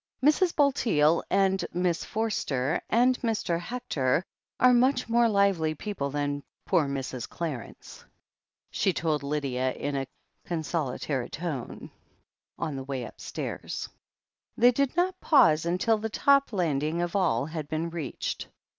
"Mrs. Bulteel, and Miss Forster and Mr. Hector are much more lively people than poor Mrs. Clarence," she told Lydia in a consolatory tone, on the way upstairs. They did not pause until the top landing of all had been reached.